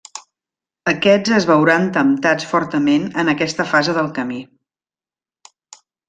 Aquests es veuran temptats fortament en aquesta fase del camí.